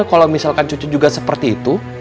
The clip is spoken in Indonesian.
kalau misalkan cucu juga seperti itu